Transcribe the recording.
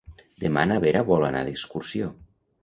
Demà na Vera vol anar d'excursió.